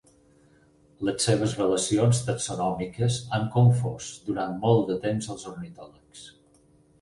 Les seves relacions taxonòmiques han confós durant molt de temps als ornitòlegs.